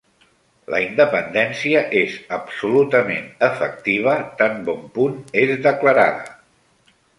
La independència és absolutament efectiva tan bon punt és declarada.